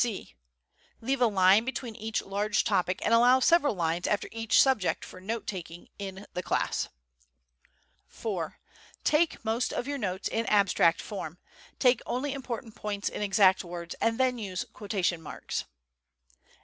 C. Leave a line between each large topic and allow several lines after each subject for note taking in the class. IV. Take most of your notes in "abstract" form. Take only important points in exact words, and then use quotation marks.